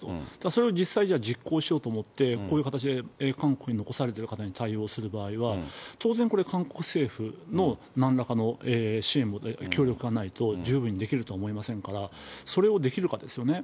それを実際じゃあ実行しようと思って、こういう形で韓国に残されている方に対応する場合は、当然これ韓国政府のなんらかの支援、協力がないと、十分にできるとは思えませんから、それをできるかですよね。